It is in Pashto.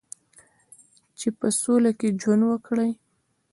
چې په سوله کې ژوند وکړي.